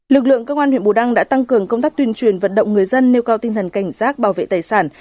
lực lượng công an huyện bù đăng đã tăng cường công tác tuyên truyền vận động người dân nêu cao tinh thần cảnh giác bảo vệ tài sản